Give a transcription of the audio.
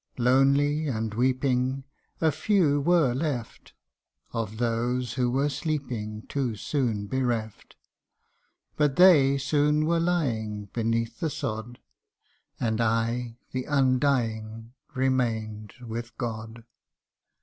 Lonely and weeping A few were left, Of those who were sleeping Too soon bereft ; 13 14 THE UNDYING ONE. But they soon were lying Beneath the sod And I, the Undying, Remained with God